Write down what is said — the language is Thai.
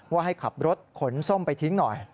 ว่าให้ขับรถขนส้มไปทิ้งหน่อย